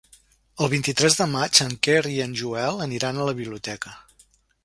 El vint-i-tres de maig en Quer i en Joel aniran a la biblioteca.